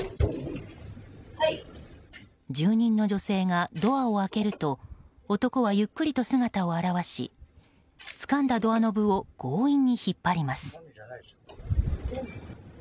住人の女性がドアを開けると男はゆっくりと姿を現しつかんだドアノブを強引に引っ張ります。